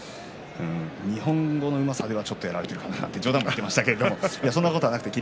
日本語のうまさではちょっとやられているかなと冗談交じりに言っていましたがそんなことはなくて霧